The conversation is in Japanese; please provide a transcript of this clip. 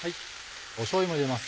しょうゆも入れます。